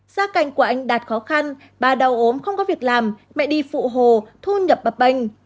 gia cành của anh đạt khó khăn ba đau ốm không có việc làm mẹ đi phụ hồ thu nhập bạp bành